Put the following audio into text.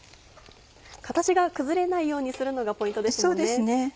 形が崩れないようにするのがポイントですもんね。